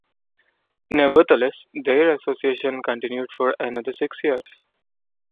Nevertheless, their association continued for another six years.